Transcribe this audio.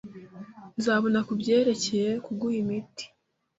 Nzabona kubyerekeye kuguha imiti.